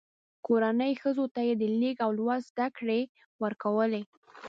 کورنۍ ښځو ته یې د لیک او لوست زده کړې ورکولې.